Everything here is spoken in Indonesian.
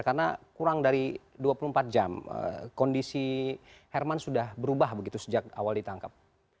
karena kurang dari dua puluh empat jam kondisi herman sudah berubah begitu sejak awal ditangkap